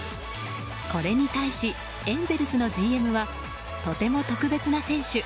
これに対し、エンゼルスのＧＭはとても特別な選手。